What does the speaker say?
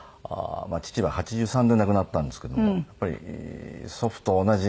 父は８３で亡くなったんですけどもやっぱり祖父と同じ８５ぐらいまではね。